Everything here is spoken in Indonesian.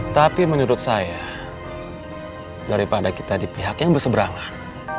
tapi menurut saya daripada kita di pihak yang berseberangan